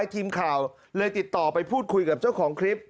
แช่ง